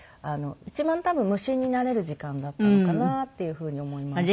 一番多分無心になれる時間だったのかなっていうふうに思います。